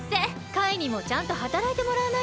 カイにもちゃんとはたらいてもらわないと。